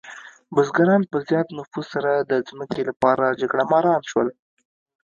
بزګران په زیات نفوس سره د ځمکې لپاره جګړهماران شول.